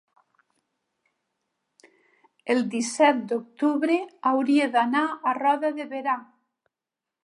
el disset d'octubre hauria d'anar a Roda de Berà.